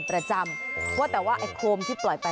ประจำว่าแต่ว่าไอ้โคมที่ปล่อยไป